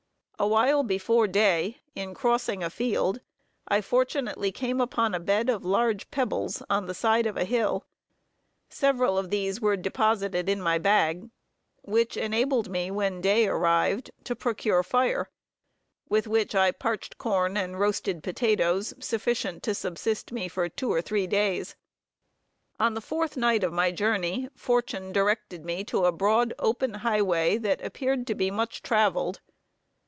Awhile before day, in crossing a field, I fortunately came upon a bed of large pebbles, on the side of a hill. Several of these were deposited in my bag, which enabled me when day arrived to procure fire, with which I parched corn and roasted potatoes sufficient to subsist me for two or three days. On the fourth night of my journey, fortune directed me to a broad, open highway, that appeared to be much traveled.